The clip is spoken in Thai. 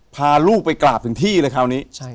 พาลูกไปกราบถึงที่เลยคราวนี้